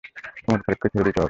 ওমর ফারুককে ছেড়ে দিতে হবে।